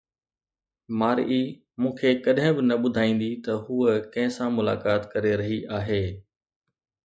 مارئي مون کي ڪڏهن به نه ٻڌائيندي ته هوءَ ڪنهن سان ملاقات ڪري رهي آهي.